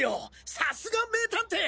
さすが名探偵！